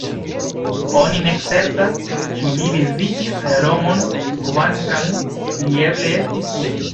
Oni ne certas ĉu li vizitis Romon, kvankam li eble estis tie.